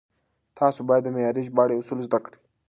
تاسو بايد د معياري ژباړې اصول زده کړئ.